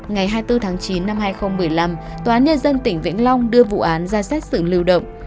ngày hai mươi bốn tháng chín năm hai nghìn một mươi năm tòa án nhân dân tỉnh vĩnh long đưa vụ án ra xét xử lưu động